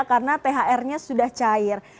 karena thr nya sudah cair